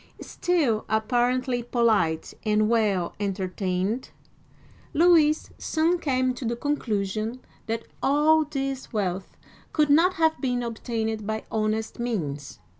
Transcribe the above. *' Still apparently polite and well entertained, Louis soon came to the conclusion that all this wealth could not have been obtained by honest means.